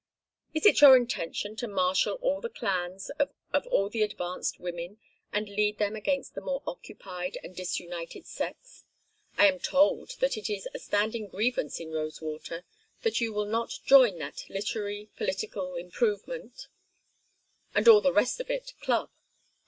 Is it your intention to marshal all the clans of all the advanced women and lead them against the more occupied and disunited sex? I am told that it is a standing grievance in Rosewater that you will not join that Literary Political Improvement and all the rest of it Club.